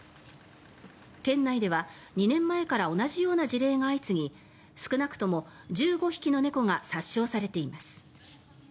県内では２年前から同じような事例が相次ぎ少なくとも１５匹の猫が殺傷されています。